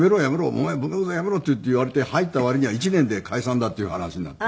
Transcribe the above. お前文学座やめろ！」って言われて入った割には１年で解散だっていう話になって。